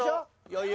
余裕。